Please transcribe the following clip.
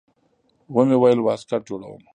ومې ويل واسکټ جوړوم.